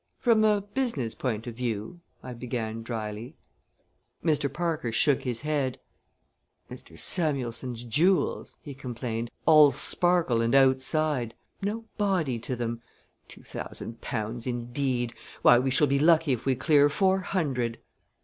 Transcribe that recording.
"From a business point of view " I began dryly. Mr. Parker shook his head. "Mr. Samuelson's jewels," he complained, "were like his wines, all sparkle and outside no body to them. Two thousand pounds indeed! Why, we shall be lucky if we clear four hundred!"